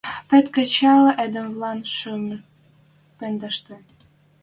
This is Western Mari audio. Пыт кӹчӓл эдемвлӓн шӱм пындашты